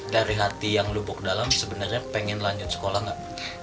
dari hati yang lupuk dalam sebenarnya pengen lanjut sekolah nggak